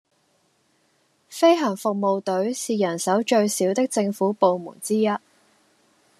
飛行服務隊是人手最少的政府部門之一